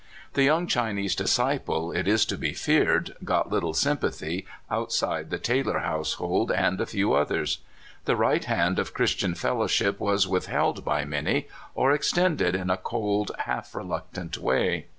The young Chinese disciple, it is to be feared, got little sympathy outside the Taylor household and a few others. The right hand of Christian fellowship was withheld by many, or extended in AH LEE. 201 a cold, half reluctant way.